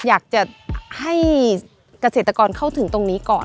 อยากจะให้เกษตรกรเข้าถึงตรงนี้ก่อน